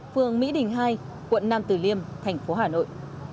phường mỹ đình hai quận nam tử liêm thành phố hà nội